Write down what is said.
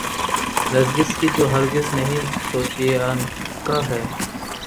نرگس کی جو ہرگز نہیں سوتیعنقا ہے۔